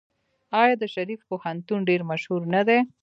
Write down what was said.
آیا د شریف پوهنتون ډیر مشهور نه دی؟